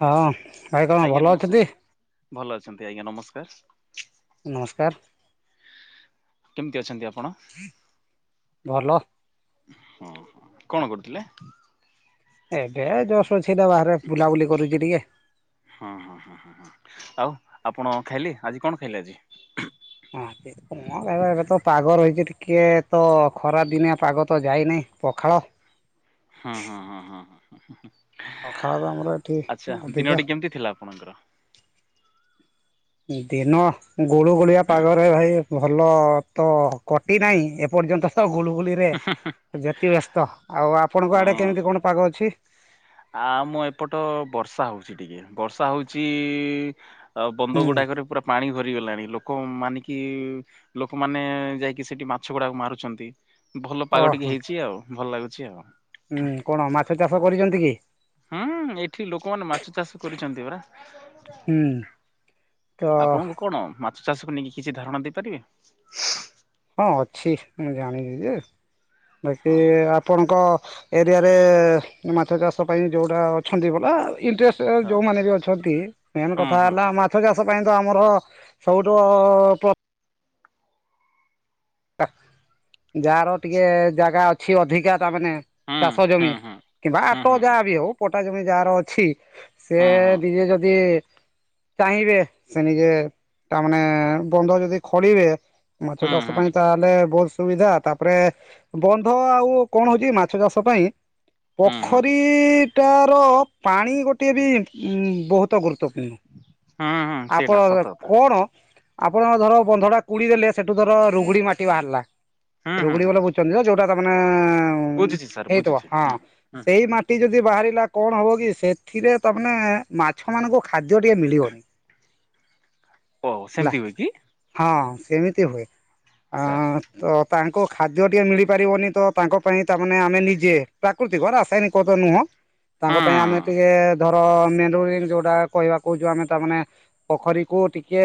ହଁ ଭାଇ କଣ ଆଜ୍ଞା ଭଲ ନମସ୍କାର ଅଛନ୍ତି? ଭଲ ଅଛନ୍ତି ଆଜ୍ଞା ନମସ୍କାର। ନମସ୍କାର। କେମିତି ଅଛନ୍ତି ଆପଣ? ଭଲ ହଁ କଣ କରୁଥିଲେ? ଏବେ ଜସ୍ ଅଛିଟା ବାହାରେ ବୁଲାବୁଲି କରୁଛି ଟିକେ। ହଁ ହଁ ହଁ ହଁ ହଁ ଆଉ ଆପଣ ଖାଇଲେ ଆଜି କଣ ଖାଇଲେ ଆଜି? [unintelligible] ହଁ କ ଏବେ ତ ପାଗ ରହିଛି ଟିକେ ତ ଖରାପ ଦିନିଆ ପାଗ ତ ଯାଇନାହିଁ ପଖାଳ। ହୁଁ ହଁ ହଁ ହଁ ହଁ ହଁଁ ପଖାଳ ତ ଆମର ଏଠି ଆଚ୍ଛା ଅଧିକା ଦିନଟି କେମିତି ଥିଲା ଆପଣଙ୍କର? ଦିନ ଗୁଳୁ ଗୁଳିଆ ପାଗରେ ଭାଇ ଭଲ ତ କଟି ନାହିଁ ଏପର୍ଯ୍ୟନ୍ତ ତ ଗୁଲୁଗୁଲିରେ ଯେତି ବ୍ୟସ୍ତ ଆଉ ଆପଣଙ୍କ ଆଡେ କେମିତି କଣ ପାଗ ଅଛି? ଆ ମୁଁ ଏପଟ ବର୍ଷା ହଉଛି ଟିକେ ବର୍ଷା ହଉଛି ଆଉ ବନ୍ଦ ହୁଁ ଗୁଡାକରେ ପୁରା ପାଣି ଭରିଗଲାଣି ଲୋକ ମାନିକି ଲୋକମାନେ ଯାଇକି ସେଠି ମାଛ ଗୁଡାକ ମାରୁଛନ୍ତି। ଭଲ ପାଗ ଟିକେ ଓହୋ ହେଇଛି ଆଉ ଭଲ ଲାଗୁଛି ଆଉ। ହୁଁ କଣ ମାଛ ଚାଷ କରିଛନ୍ତି କି? ହୁଁ ଏଇଠି ଲୋକମାନେ ମାଛ ଚାଷ କରିଛନ୍ତି ପରା। ହୁଁ। ତ ଆପଣଙ୍କୁ କଣ ମାଛ ଚାଷକୁ ନେଇକି କିଛି ଧାରଣା ଦେଇପାରିବେ? ହଁ ଅଛି ମୁଁ ଜାଣିଛିି ଯେ ବାକି ହଁ ହଁ ଆପ ଆପଣଙ୍କ ଏରିଆରେ ମାଛ ଚାଷ ପାଇଁ ଯେଉଁଟା ଅଛନ୍ତି ବଲା ଇଣ୍ଟରେଷ୍ଟ ଏ ଯୋଉମାନେ ବି ଅଛନ୍ତି ମେନ ହଁ କଥା ହୁଁ ହେଲା ଆ ଅର୍ଥ ଚାଷ ପାଇଁ ତ ଆମର ସବୁଠୁ ଅ ପ ତା ଯାହାର ଟିକେ ଜାଗା ଅଛି ଅଧିକା। ତା ମାନେ ହୁଁ ଚାଷ ହୁଁ ଜମି କିମ୍ବା ହୁଁ ଆଟ ହୁଁ ହୁଁ ଯାହା ବି ହଉ ପଟା ଜମି ଯାହାର ଅଛି। ସେ ହୁଁ ହୁଁ ନିଜେ ଯଦି ଚାହିଁବେ ସେ ନିଜେ ତା ମାନେ ବନ୍ଧ ଯଦି ଖୋଳିବେ ମାଛ ହୁଁ ଚାଷ ହୁଁ ପାଇଁ ହୁଁ ତାହେଲେ ଏ ବହୁତ ସୁବିଧା ତାପରେ ବନ୍ଧ ଆଉ କଣ ହଉଛି ମାଛ ଚାଷ ପାଇଁ ହୁଁ ହୁଁ ହୁଁ ପୋଖରୀଟାର ପାଣି ଗୋଟିଏ ବି ବହୁତ ତ ଗୁରୁତ୍ୱପୂର୍ଣ୍ଣ ହୁଁ ହୁଁ ସେଇଟା ସତ ଆପଣ କଥା କଣ ଆପଣ ଧର ବନ୍ଧ ଟା କୁଡି ଦେଲେ ସେଠୁ ଧର ରୁଗୁଡି ମାଟି ବାହାରିଲା ହୁଁ ହୁଁ ରୁଗୁଡି ହୁଁ ବୋ ବୁଝଛନ୍ତି [unintelligible] ଏ ବୁଝୁଛି ସାର୍ ହେଇଥିବ ବୁଝୁଛି ହଁ ହୁଁ ହୁଁ ସେଇ ମା ଟି ଯଦି ବାହାରିଲା କଣ ହେବ କି ସେଥିରେ ତାମାନେ ମାଛମାନଙ୍କୁ ଖାଦ୍ୟ ଟିକେ ମିଳିବନି। ଓ ହେଲା ସେମିତି ହୁଏ କି। ହଁ ସେମିତି ହୁଏ। ଆ ସାର୍ ତ ତାଙ୍କୁ ଖାଦ୍ୟ ଟିକେ ମିଳିପାରିବନି ତ ତାଙ୍କ ପାଇଁ ତାମାନେ ଆମେ ନିଜେ ପ୍ରାକୃତିକ ରାଶାୟୀନିକ [unintelligible] ନୁହଁ ତାଙ୍କ ହୁଁ ପାଇଁ ଆମେ ଟିକେ ଧ ତ ମେ ଯୋଉଟା କହିବାକୁହୁଛୁ ଆମେ ତାମାନେ ପୋଖରୀକୁ ଟିକେ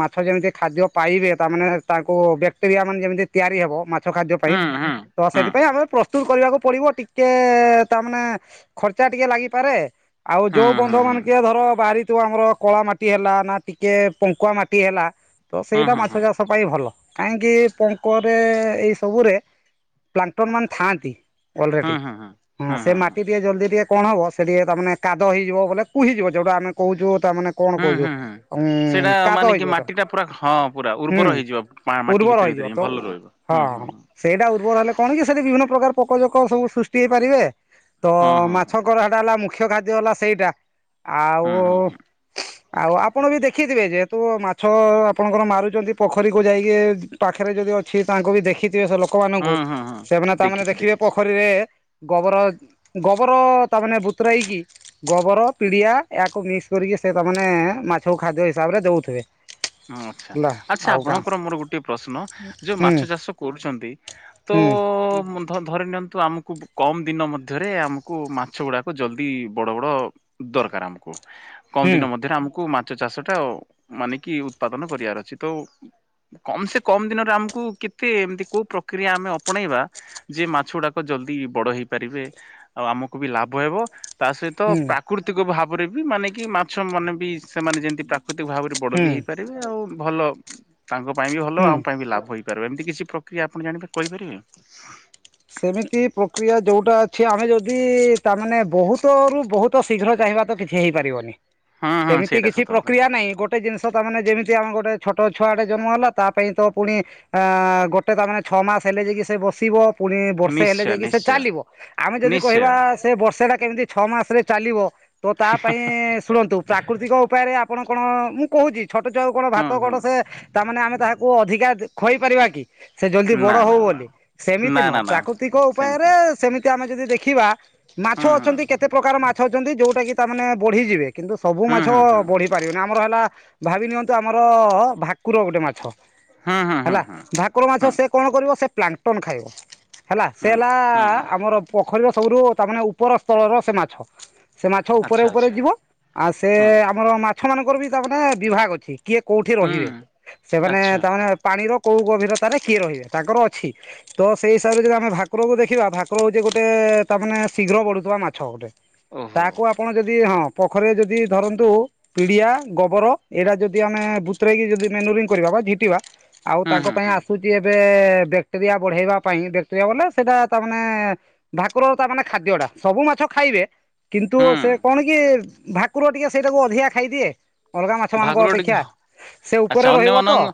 ମାଛ ଯେମିତି ଖାଦ୍ୟ ପାଇବେ ତାମାନେ ତା କୁ ବ୍ୟାକ୍ଟେରିଆ ମାନେ ଯେମିତି ତିଆରି ହବ ମା ମାଛ ଖାଦ୍ୟ ପାଇଁ ହୁଁ ହୁଁ ତ ହୁଁ ସେଥିପାଇଁ ଆମେ ପ୍ରସ୍ତୁତ କରିବାକୁ ପଡିବ ଟି ଟିକେ ତା ମାନେ ଖର୍ଚା ଟିକେ ଲାଗିପାରେ। ଆଉ ହୁଁ ଯୋଉ ହୁଁ ବନ୍ଧ ହୁଁ ମାନ କି ହୁଁ ଧର ବାହାରିଥିବ ଆମର କଳା ମାଟି ମାଟି ହେଲା ନା ଟିକେ ପଙ୍କୁଆ ମାଟି ହେଲା ତ ସେଇଟା ହୁଁ ମାଛ ଚାଷ ପାଇଁ ଭଲ କାହିଁକି ପଙ୍କରେ ଏଇ ସବୁରେ ପ୍ଲାଣ୍ଟନ ମାନେ ଥାଆନ୍ତି। ଅଲରେଡି ହୁଁ ହୁଁ ହୁଁ ହୁଁ ହୁଁ ହଁ ହୁଁ ସେ ହୁଁ ମାଟି ଟିକେ ଜଲଦି ଟିକେ କଣ ହବ ସେଠି ତା ମାନେ କାଦ ହେଇଯିବ ବୋଲେ କୁ ହେଇଯିବ ଯୋଉଟା ଆମେ କହୁଛୁ ତା ମାନେ କଣ ହୁଁ କହୁଛୁ ହୁଁ ହୁଁ ଉଁ ସେଇଟା କାଦ ମାନେ ହେଇ କି ଯିବତ ମାଟିଟା ପୁରା ହଁ ପୁରା ହୁଁ। [unintelligible] ଉର୍ବର ହେଇଯିବ ହିଁ ତ ଭଲ ଓ ରହିବ ହୁଁ ହୁଁ ହଁ। ହୁଁ ସେଇଟା ଉର୍ବର ହେଲେ କଣ କି ସେଠି ବିଭିନ୍ନ ପ୍ରକାର ପୋକଜୋକ ସବୁ ସୃଷ୍ଟି ହେଇପାରିବେ ତ ହୁଁ ହୁଁ ହୁଁ ମାଛ ସେଟା ହେଲା ମୁଖ୍ୟ ଖାଦ୍ୟ ହେଲା ସେଇଟା ଆଉ ହୁଁ ହୁଁ ଆଉ ଆପଣ ବି ଦେଖିଥିବେ ଯେ ଯେହେତୁ ମାଛ ଆପଣଙ୍କର ମାରୁଛନ୍ତି ପୋଖରୀକୁ ଯାଇ। ଟେ ପାଖରେ ଯଦି ଅଛି ତାଙ୍କୁ ବି ଦେଖିଥିବେ ସେ ଲୋକ। ହଁ ଲୋକମାନଙ୍କୁ ହଁ ହଁ ସେମାନେ ତାମାନେ ଦେଖିଛି ଦେଖିବେ ଦେଖିଛି ପୋଖରୀରେ ଗୋବର ଗୋବର ତା ମାନେ ବୁତୁରେଇ କି ଗୋବର ପିଡିଆ ଏହାକୁ ମିକ୍ସ କରିକି ସେ ତାମାନେ ମାଛକୁ ଖାଦ୍ୟ ହିସାବରେ ଦଉଥିବେ। ହଁ ଆଚ୍ଛା ହେଲା ଆଚ୍ଛା ଆଉ କାଁ ଆପଣଙ୍କର ମୋର ଗୋଟଏ ପ୍ରଶ୍ନ? ଯୋଉ ହୁଁ ମାଛ ଚାଷ କରୁଛନ୍ତି ତ ହୁଁ ଧରି ନିଅନ୍ତୁ ଆମକୁ କମ୍ ଦିନ ମଧ୍ୟରେ ଆମକୁ ମାଛ ଗୁଡ଼ାକ ଜଲ୍ଦି ବଡ଼ ବଡ଼ ଦରକାର ଆମକୁ କମ୍ ହୁଁ ଦିନ ମଧ୍ୟରେ ଆମକୁ ମାଛ ଚାଷ ଟା ମାନେ କି ଉତ୍ପାଦନ କରିବାର ଅଛି ତ କମ୍ ସେ କମ୍ ଦିନରେ ଆମକୁ କେତେ ଏମତି କୋଉ ପ୍ରକ୍ରିୟା ଆମେ ଅପଣେଇବା। ଯେ ମାଛ ଗୁଡାକ ଜଲଦି ବଡ ହେଇପାରିବେ ଆଉ ଆମକୁ ବି ଲାଭ ହେବ। ତା ସହିତ ହୁଁ ପ୍ରାକୃତିକ ଭାବରେ ବି ମାନେ କି ମାଛ ମାନେ ବି ସେମାନେ ଯେମିତି ପ୍ରାକୃତିକ ଭାବରେ ବଡ ହୁଁ ବି ହେଇପାରିବେ ଆଉ ଭଲ ତାଙ୍କ ପାଇଁ ବି ଭଲ ହୁଁ ଆମ ପାଇଁ ବି ଲାଭ ହେଇପାରିବେ ଏମିତି କିଛି ପ୍ରକ୍ରିୟା ଆପଣ ଜାଣିବେ କହିପାରିବେ? ସେମିତି ପ୍ରକ୍ରିୟା ଯୋଉଟା ଅଛି ଆମେ ଯଦି ତାମାନେ ତା ମାନେ ବହୁତ ରୁ ବହୁତ ତ ଶୀଘ୍ର ଚାହିଁବା ତ କିଛି ହେଇପାରିବନି ହୁଁ ହୁଁ ସେମିତି ସେଇଟା କିଛି ସତ କଥା ପ୍ରକ୍ରିୟା ନାହିଁ ଗୋ ଗୋଟେ ଜିନିଷ ତାମାନେ ଯେମିତି ଆମ ଗୋଟେ ଛୋଟ ଛୁଆଡ଼େ ଜନ୍ମ ହେଲା ତା ପାଇଁ ତ ପୁଣି ଆଁ ଗୋଟେ ତା ମାନେ ଛଅ ମାସ ହେଲେ ଯାଇକି ସେ ବସିବ। ପୁଣି ବର୍ଷେ ହେଲେ ନିଶ୍ଚୟ ଯାଇକି ସେ ନିଶ୍ଚୟ ଚାଲିବ ଆମେ ଯଦି ନିଶ୍ଚୟ କହିବା ସେ ବର୍ଷା ଟା କେମିତି ଛଅ ମାସରେ ଚାଲିବ ତ ତା ପାଇଁ ଶୁଣନ୍ତୁ ପ୍ରା ପ୍ରାକୃତିକ ଉପାୟରେ ଆପଣ କଣ ମୁଁ କହୁଛି ଛୋଟ ଛୁଆ କଣ ହୁଁ ଭାତ କଣ ହୁଁ। ସେ ତାମାନେ ଆମେ ତାହାକୁ ଅଧିକା ଖୋଇ ପାରିବା କି ସେ ଜଲ୍ଦି ବଡ ନା ହଉ ନା ନା ବୋଲି ସେମିତି ନା ନା ନା ସେମିତି ଏ ସେମିତି ଆମେ ଯଦି ଦେଖିବା ମାଛ ହୁଁ ହୁଁ ଅଛନ୍ତି କେତେ ପ୍ରକାର ମାଛ ଅଛନ୍ତି ଯୋଉଟା କି ତାମାନେ ବଢିଯିବେ କିନ୍ତୁ ସବୁ ହୁଁ ମାଛ ହୁଁ ବଢି ପାରିବେ ନି ଆମ ଆମର ହେଲା ଭାବି ନିଅନ୍ତୁ ଆମର ଭାକୁର ଗୋଟେ ମାଛ ହୁଁ ହୁଁ ହୁଁ ହୁଁ ହେଲା ହୁଁ ଭାକୁର ମାଛ ହୁଁ। ସେ କଣ କରିବ ସେ ପ୍ଲାଂଟନ ଖାଇବ। ହେଲା ସେ ହୁଁ ହେଲା ହୁଁ ହୁଁ ଆମର ପୋଖରୀର ସବୁଠୁ ତା ମାନେ ଉପର ସ୍ଥରର ସେ ମାଛ। ସେ ମାଛ ଉପରେ ଆଚ୍ଛା ଉପରେ ଆଚ୍ଛା ଯିବ ଆଉ ସେ ହୁଁ ଆମର ମାଛ ମାନଙ୍କର ବି ତା ମାନେ ବିଭାଗ ଅଛି। କିଏ କୋଉଠି ହୁଁ ରହିବେ ସେମାନେ ଆଚ୍ଛା ତାମାନେ ପାଣିର କୋଉ ଗଭୀରତାରେ କିଏ ରହିବେ ତାଙ୍କର ଅଛି ତ ସେହି ହିସାବରେ ଯଦି ଆମେ ଭାକୁରକୁ ଦେଖିବା ଭାକୁର ହେଉଛି ଗୋଟେ ତା ମାନେ ଶୀଘ୍ର ବଡ଼ୁଥିବା ମାଛ ଗୋଟେ। ଓହୋ ତାକୁ ଆପଣ ଯଦି ହଁ ପୋଖରୀରେ ଯଦି ଧରନ୍ତୁ ପିଡିଆ, ଗୋବର ଏଇଟା ଯଦି ଆମେ ବୁତରେଇକି ଯଦି ମେନୁରିଙ୍ଗ କରିବା ବା ଝିଟିବା ଆଉ ହୁଁ ତାଙ୍କ ହୁଁ ପାଇଁ ହୁଁ ଆସୁଛି ଏବେ ବ୍ୟାକ୍ଟେରିଆ ବଢେଇବା ପାଇଁ ବ୍ୟାକ୍ଟେରିଆ ବୋଲେ ସେଇଟା ତାମାନେ ଭାକୁର ତା ମାନେ ଖାଦ୍ୟ ଟା ସବୁ ମାଛ ଖାଇବେ। କିନ୍ତୁ ହୁଁ ସେ କଣ କି ଭାକୁର ଟିକେ ସେଇଟାକୁ ଅଧିକା ଖାଇଦିଏ। ଅଲଗା ମାଛମାନଙ୍କ ଭାକୁର ଟିକେ ଅପେକ୍ଷା ହଁ, ସେ ଆଚ୍ଛା ଉପରେ ରହିବ ତ। ଅନ୍ୟମାନଙ୍କ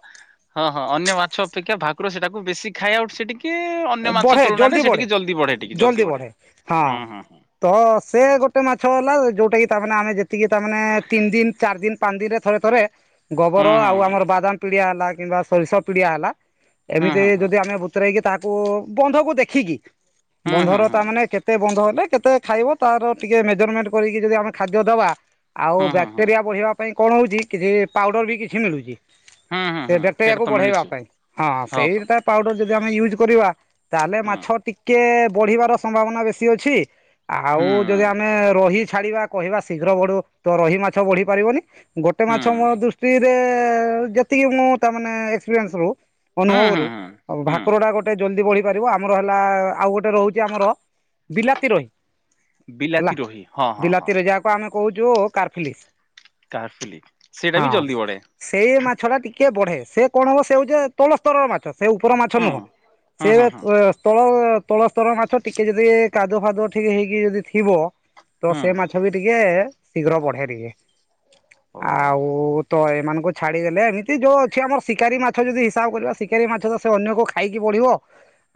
ହଁ ହଁ ଅନ୍ୟ ମାଛ ଅପେକ୍ଷା ଭାକୁର ସେଟାକୁ ବେଶୀ ଖାଏ ଆଉଟ ସେଟିକି କି ଅନ୍ୟ ମାଛ ବଢ଼େ ତୁଳନାରେ ଜଲ୍ଦି ସେ ବଢ଼େ ଟିକେ ଜଲଦି ବଢେ ଟିକେ ଜଲ୍ଦି ଜଲଦି ବଢେ। ବଢ଼େ ହଁ ହୁଁ ହୁଁଁ। ତ ସେ ଗୋଟେ ମାଛ ହେଲା ଯୋଉଟା କିି ତାମାନେ ଆମେ ଯେତିକି ତାମାନେ ତିନି ଦିନ ଚାରି ଦିନ ପାନ୍ଦ ଦିନ ରେ ଥରେ ଥରେ ଗୋବର ହଁ ହଁ ଆଉ ଆମର ବାଦାମ ପିଡିଆ ହେଲା କିମ୍ବା ସୋରିଷ ପିଡିଆ ହେଲା ହଁ ଏମିତି ହଁ ଯଦି ହଁ ଆମେ ବତରୋଇକି ତାହାକୁ ବନ୍ଧକୁ ଦେଖିକି ହଁ ହୁଁ ହୁଁ ହୁଁ ବନ୍ଧର ତା ମାନେ ହୁଁ କେ କେତେ ବନ୍ଧ ହେଲେ କେତେ ଖାଇବ ତାର ଟିକେ ମେଜରମେଣ୍ଟ କରିକି ଯଦି ଆମେ ଖାଦ୍ୟ ଦବା ଆଉ ହୁଁ ହୁଁ ବ୍ୟାକ୍ଟେରିଆ ହୁଁ ବଢ଼ିବା ପାଇଁ କଣ ହଉଛି କିଛି ପାଉଡର ବି କିଛି ମିଳୁଛି। ହୁଁ ସେ ହୁଁ ସେଇଟା ବ୍ୟାକ୍ଟେରିଆକୁ ତ ବଢେଇବା ମିଳୁଛି ପାଇଁ। ହଁ ସେଇଟା ପାଉଡର ଯଦି ଆମେ ୟୁଜ୍ କରିବା ତାହେଲେ ହୁଁ ମାଛ ଟିକେ ବଢିବାର ସମ୍ଭାବନା ବେଶୀ ଅଛି ହୁଁ ଆଉ ଯଦି ଆମେ ମେ ରହି ଛାଡିବା କହିବା ଶୀଘ୍ର ବଢୁ ତ ରହି ମାଛ ବଢି ପାରିବନି। ଗୋଟେ ହୁଁ ମାଛ ମୋ ଦୃଷ୍ଟିରେ ଯେତିକି ମୁଁ ତା ମାନେ ଏକ୍ସପିରିନ୍ସ ରୁ ହୁଁ ହୁଁ ଅନୁଭବରୁୁ ହୁଁ ହୁଁ ଭାକୁରଟା ଗୋ ଗୋଟେ ଜଲଦି ବଢି ପାରିବ ଆମର ହେଲା ଆଉ ଗୋଟେ ରହୁଛି ଆମର ବିଲାତି ରୋହି। ହେଲା ବିଲାତି ରୋହି ହଁ ହଁ ହଁ ବିଲାତିରେ ଯାହାକୁ ଆମେ କହୁଛୁ କାରଫିଲିସ୍। କାହାର ଫିଲିକ୍ ସେଇଟା ବି ହଁ ଜଲ୍ଦି ବଢ଼େ। ସେଇ ମାଛ ଟା ଟିକେ ବଢେ ସେ କଣ ହବ ସେ ହଉଛି ତଳ ସ୍ତରର ମାଛ ସେ ଉପର ମାଛ ନୁହଁ। ସେ ତଳ ତଳ ସ୍ତର ମାଛ ଟିକେ ଯଦି କାଦୁଅ ଫାଦୁଅ ଠିକ ହେଇକି ଯଦି ଥିବ ତ ସେ ମାଛ ବି ଟିକେ ଶୀଘ୍ର ବଢେ ଟିକେ ଆଉ ତ ଏମାନଙ୍କୁ ଛାଡ଼ି ଦେଲେ ଏମିତି ଯୋଉ ଅଛି ଆମର ଶିକାରୀ ମାଛ ଯଦି ହିସାବ କରିବା ଶିକାରୀ ମାଛ ତ ସେ ଅନ୍ୟ କୋଉ ଖାଇକି ବଢିବ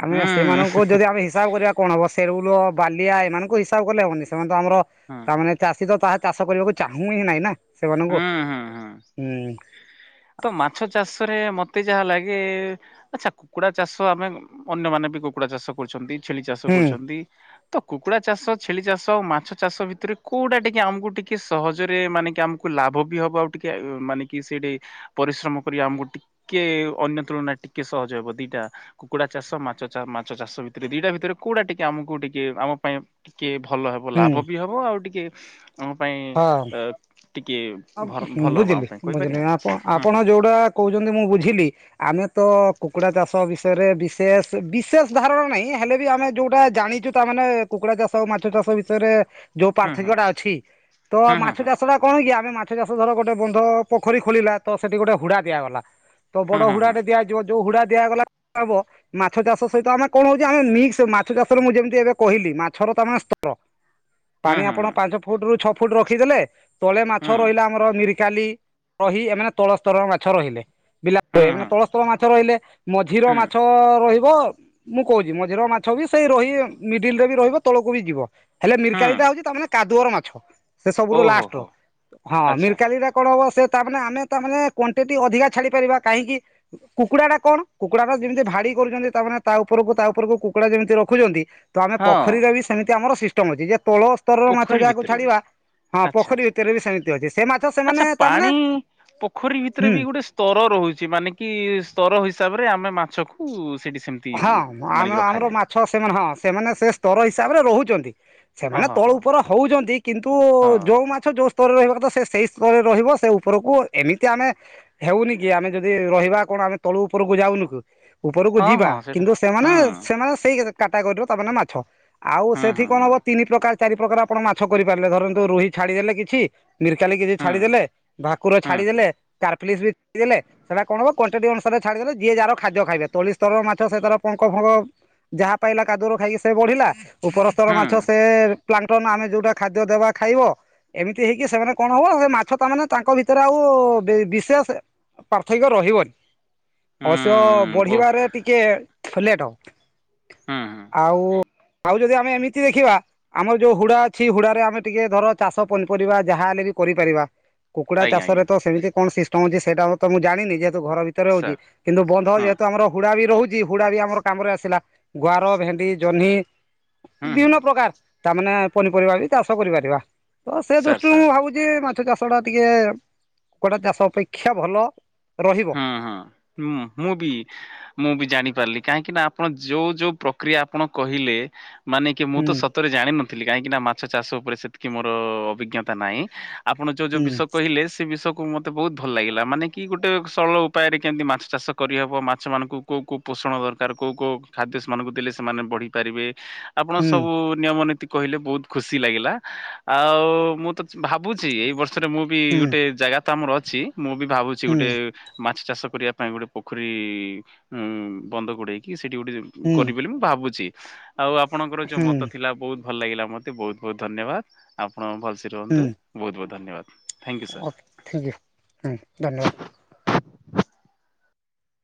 ଆମେ ସେମାନଙ୍କୁ ଯଦି ଆମେ ହିସାବ କରିବା କଣ ହବ ସେରଉଳ ବାଲିଆ ଏମାନଙ୍କୁ ହିସାବ କଲେ ହବନି ସେମାନେ ତ ଆମର ତାମାନେ ଚାଷୀ ତ ତାହା ଚାଷ କରିବାକୁ ଚାହୁଁ ହିଁ ନହିଁ ନା ସେମାନଙ୍କୁ ହୁଁ। ତ ମାଛ ଚାଷରେ ମତେ ଯାହା ଲାଗେ ଆଛା କୁକୁଡା ଚାଷ ଆମେ ଅନ୍ୟମାନେ ବି କୁକୁଡା ଚାଷ କରୁଛନ୍ତି ଛେଳି ଚାଷ ହୁଁ। କରୁଛନ୍ତି। ତ କୁକୁଡ଼ା ଚାଷ ଛେଳି ଚାଷ ଆଉ ମାଛ ଚାଷ ଭିତରେ କୋଉଟା ଟିକେ ଆମକୁ ଟିକେ ସହଜରେ ମାନେ କି ଆମକୁ ଲାଭ ବି ହବ ଆଉ ଟିକେ ମାନେ କି ସେଟି ପରିଶ୍ରମ କରି ଆମକୁ ଟିକେ ଅନ୍ୟ ତୁଳନରେ ଟିକେ ସହଜ ହବ ଦିଟା। କୁକୁଡା ଚାଷ ମାଛ ମାଛ ଚାଷ ଭିତରେ ଦିଟା ଭିତରେ କୋଉଟା ଟିକେ ଆମକୁ ଟିକେ ଆମ ପାଇଁ ଟିକିଏ ଭଲ ହେବ ହୁଁ ଲାଭ ବି ହେବ ଆଉ ଟିକିଏ ଆମ ପାଇଁ ଟିକିଏ ହଁ ବୁଝିଲି ବୁଝିଲି ଆପଣ ହୁଁ ଆପଣ ହୁଁ। ଯୋଉଟା କହୁଛନ୍ତି ମୁଁ ବୁଝିଲି। ଆମେ ତ କୁକୁଡା ଚାଷ ବିଷୟରେ ବିଶେଷ ବିଶେଷ ଧାରଣା ନାହିଁ ହେଲେ ବି ଆମେ ଯୋଉଟା ଜାଣିଛୁ ତା ମାନେ କୁକୁଡା ଚାଷ ଆଉ ମାଛ ଚାଷ ବିଷୟରେ ଯୋଉ ହଁ ପାର୍ଥକ୍ୟ ହଁ ଟା ଅଛି ତ ମାଛ ହଁ ଚାଷ ଟା କଣ କି ଆମେ ମାଛ ମାଛ ଚାଷ ଧର ଗୋଟେ ବନ୍ଧ ପୋଖରୀ ଖୋଳିଲା ତ ସେଠି ଗୋଟେ ହୁଡା ଦିଆଗଲା ତ ହଁ ବଡ ହଁ ହୁଡାଟେ ଦିଆଯ ଯ ଯୋଉ ହୁଡା ଦିଆଗଲା ହବ ମାଛ ଚାଷ ସହିତ ଆମେ କଣ ହଉଛି ଆମେ ମିକ୍ସ ମାଛ ଚାଷରେ ମୁଁ ଯେମିତି ଏବେ କହିଲି ମାଛର ତ ଆମେ ସ୍ତର ହ ପାଣି ଆପଣ ପାଞ୍ଚ ଫୁଟ ରୁ ଛଅ ଫୁଟ ରଖିଦେଲେ ତଳେ ହଁ ମାଛ ରହିଲା ଆମର ମିର କାଲି, ରହି ଏମାନେ ତଳ ସ୍ତରର ମାଛ ରହିଲେ। ବିଲା ହଁ ହଁ ରହିବେ ହଁ ହଁ ମାନେ ତଳସ୍ତର ମାଛ ରହିଲେ, ମଝିର ହଁ ମାଛ ରହିବ ମୁଁ କହୁଛିି ମଝିରେ ମାଛ ବି ସେଇ ରୋହି ମିଡିଲ ରେ ବି ରହିବ ତଳକୁ ବି ଯିବ। ହେଲେ ହଁ ମିରିକାଳି ଟା ହଉଛି ତାମାନେ କାଦୁଅର ମାଛ ସେ ସବୁଠୁ ଓହୋ ହୋ ଲାଷ୍ଟ। ହଁ ଆଚ୍ଛା ଆଚ୍ଛା ମିରକାଲି ଟା କଣ ହବ ସେ ତାମାନେ ଆମେ ତାମାନେ କ୍ୱାଣ୍ଟିଟି ଅଧିକା ଛାଡି ପାରିବା କାହିଁକି? କୁକୁଡା ଟା କଣ କୁକୁଡା ଟା ଯେମିତି ଭାଡି କରୁଛନ୍ତି ତାମାନେ ତା ଉପରକୁ ତା ଉପରକୁ କୁକୁଡା ଯେମିତି ରଖୁଛନ୍ତି। ତ ଆମେ ହଁ ପୋଖରୀରେ ବି ସେମିତି ଆମର ସିଷ୍ଟମ ଅଛି ଯେ ତୋଳ ସ୍ତରର ମାଛ ପୋଖରୀ ଯାହାକୁ ଭିତରେ ବି ଛାଡ଼ିବା ହଁ ଆଚ୍ଛା ପୋଖରୀ ଆଚ୍ଛା ସେବି ସେମିତି ଅଛି ସେ ମାଛ ସେମାନେ ଆଚ୍ଛା ତାମାନେ ପାଣି ପୋଖରୀ ଭିତରେ ହୁଁ। ବି ଗୋଟେ ସ୍ତର ରହୁଛି ମାନେ କି ସ୍ତର ହିସାବରେ ଆମେ ମାଛକୁ ସେଠି ସେମିତି ହଁ ମାନିକି ଆମ ଆମର ରଖାଯାଏ ମାଛ ସେମାନେ ହଁ ସେମାନେ ସେ ସ୍ତର ହିସାବରେ ରହୁଛନ୍ତି। ସେମାନେ ଓହୋ ତଳ ହୋ ଉପରେ ହଉଛନ୍ତି ହଁ କିନ୍ତୁ-ଉ-ଉ ଯୋଉ ମା ଛ ଯୋଉ ସ୍ତରରେ ରହିବା କଥା ସେ- ସେଇ ସ୍ତରରେ ରହିବ ସେ ଉପରକୁ ଏମିତି ଆମେ। ହେଉନି କି ଆମେ ଯଦି ରହିବା କଣ ଆମେ ତଳୁ ଉପରକୁ ଯାଉନୁ କୁ ଉପରକୁ ହଁ ଯିବା ହଁ ସେଇଟା କିନ୍ତୁ ସେମାନେ ହଁ ସେମାନେ ସେଇ କାଟା ଗରିର ତାମାନେ ମାଛ। ଆଉ ସେଠି ହଁ କଣ ହଁ ହବ ତିନି ପ୍ରକାର ଚାରି ପ୍ରକାର ଆପଣ ମାଛ କରିପାରିଲେ ଧରନ୍ତୁ ରୋହି ଛାଡିଦେଲେ କିଛି। ମିର୍କାଲି ଗିରି ହଁ ଛାଡି ଦେଲେ, ଭାକୁର ହଁ ହଁ ଛାଡିଦେଲେ, ହଁ କାର୍ପଲିସ୍ ବି ଦେଲେ ସେଟା କଣ ହବ କ୍ୱାଣ୍ଟି ଅନୁସାରେ ଛାଡ଼ିଦଲେ ଯିଏ ଯାହାର ଖାଦ୍ୟ ଖାଇବେ ତଳି ସ୍ରର ମା ମାଛ ସେ ତର ପଙ୍କ ଫଙ୍କ ଯାହା ପାଇଲା କାଦୁଅରୁ ଖାଇକି ସେ ବଢ଼ିଲା ଉପରସ୍ତର ହଁ ମାଛ ସେଏ ପ୍ଲାଟନ ଆମେ ଯୋଉଟା ଖାଦ୍ୟ ଦେବା ଖାଇବ। ଏମିତି ହେଇକି ସେମାନେ କଣ ହବ ସେ ମାଛ ତ ମାନେ ତାଙ୍କ ଭିତରେ ଆଉ ବି-ବିଶେଷ ପାର୍ଥକ୍ୟ ରହିବନି। ଅବଶ୍ୟ ହୁଁ ବୋ ବଢିବାରେ ଟିକେ ଲେଟ୍ ହବ। ହଁ ହଁ ଆଉ ଆଉ ଯଦି ଆମେ ଏମିତି ଦେଖିବା। ଆମର ଯୋଉ ହୁଡା ଅଛି ହୁଡାରେ ଆମେ ଟିକେ ଧର ଚାଷ ପନିପରିବା ଯାହା ହେଲେ ବି କରିପାରିବା। କୁକୁଡ଼ା ଆଜ୍ଞା ଚାଷରେ ଆଜ୍ଞା ତ ସେମିତି କଣ ସିଷ୍ଟମ୍ ଅଛି ସେଇଟା ତ ମୁ ଜାଣିନି, ଯେହେତୁ ଘର ଭି ଭିତରେ ହୋଉଛି ସାର୍ କିନ୍ତୁ ବନ୍ଧ ହଁ ଯେହେତୁ ଆମର ହୁଡା ବି ରହୁଛି ହୁଡା ବି ଆମର କାମରେ ଆସିଲା ଗୁଆର, ଭେଣ୍ଡି, ଜହ୍ନି ହଁ ହଁ ବିଭିନ୍ନ ପ୍ରକାର ତାମାନେ ପନିପରିବା ବି ଚାଷ କରିପାରିବା, ତ ସେ ସାର୍ ଦୃଷ୍ଟିରୁ ସାର୍ ମୁଁ ଭାବୁଛି ଯେ ମାଛ ଚାଷ ଟା ଟିକେ କୁକୁଡା ଚାଷ ଅପେକ୍ଷା ଭଲ ରହିବ୍ ହଁ -ହଁ- ହୁଁ- ମୁଁ ବି। ମୁଁ ବି ଜାଣିପାରିଲି କାହିଁକି ନା ଆପଣ ଯୋଉ ଯୋଉ ପ୍ରକ୍ରିୟା ଆପଣ କହିଲେ ମାନେ କି ମୁଁ ତ ହୁଁ ସତରେ ଜାଣିନଥିଲି କାହିଁକି ନା ମାଛ ଚାଷ ଉପରେ ସେତିକି ମୋର ଅଭିଜ୍ଞତା ନାହିଁ। ଆପଣ ଯୋଉ ଯୋଉ ହୁଁ ବିଷୟ କହିଲେ ସେ ବିଷୟକୁ ମତେ ବହୁତ୍ ଭଲ୍ ଲାଗିଲା ମାନେ କି ଗୋଟ୍ ଗୋଟେ ସରଳ ଉପାୟରେ କେମିତି ମାଛ ଚାଷ କରିହେବ ମାଛମାନଙ୍କୁ କୋଉଁ କୋଉଁ ପୋଷଣ ଦରକାର କୋଉଁ କୋଉଁ ଖାଦ୍ୟ ସେମାନଙ୍କୁ ଦେଲେ ସେମାନେ ବଢି ପାରିବେ ଆପଣ ହୁଁ ସବୁ ନିୟମ ନୀତି କହିଲେ ବହୁତ୍ ଖୁସି ଲାଗିଲା, ଆଉ ମୁଁ ତ ଭାବୁଛି ଏଇ ବର୍ଷରେ ମୁଁ ବି ହୁଁ ଗୋଟେ ଜାଗା ତ ଆମର ଅଛି, ମୁଁ ବି ଭାବୁଛି ହୁଁ ଗୋଟେ ମାଛ ଚାଷ କରିବା ପାଇଁ ଗୋଟେ ପୋଖରୀ ଉଁ ବନ୍ଦ ଗୋଡ଼େଇକି ସେଇଠି ଗୋଟେ ହୁଁ କରିବି ବୋଲି ମୁଁ ଭାବୁଛି, ଆଉ ଆପଣଙ୍କର ଯୋଉ ହୁଁ ମତ ଥିଲା ବହୁତ୍ ଭଲ ଲାଗିଲା ମୋତେ ବୋହୁତ୍ ବୋହୁତ୍ ଧନ୍ୟବାଦ, ଆପଣ ଭଲ୍ ସେ ରୁହନ୍ତୁ ହୁଁ। ବୋହୁତ୍ ବୋହୁତ୍ ଧନ୍ୟବାଦ। Thank you sir. Okay thank you [unintelligible] ଧନ୍ୟବାଦ।